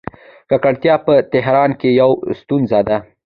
ککړتیا په تهران کې یوه ستونزه ده.